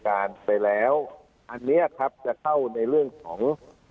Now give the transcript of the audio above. โดยพนักงานระยาการไปแล้วอันนี้ครับจะเข้าในเรื่องของ